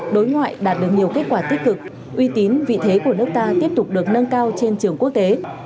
đối ngoại đạt được nhiều kết quả tích cực uy tín vị thế của nước ta tiếp tục được nâng cao trên trường quốc tế